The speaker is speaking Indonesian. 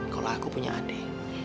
kau lah aku punya adik